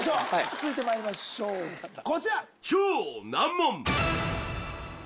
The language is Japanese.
続いてまいりましょうこちら超難問